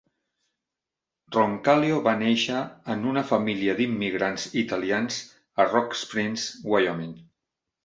Roncalio va néixer en una família d'immigrants italians a Rock Springs, Wyoming.